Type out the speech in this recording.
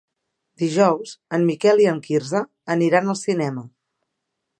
Dijous en Miquel i en Quirze aniran al cinema.